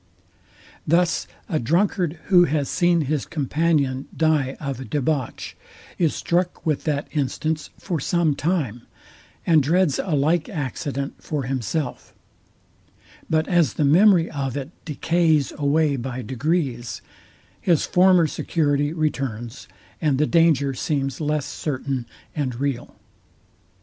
Thus a drunkard, who has seen his companion die of a debauch, is struck with that instance for some time, and dreads a like accident for himself: But as the memory of it decays away by degrees, his former security returns, and the danger seems less certain and real.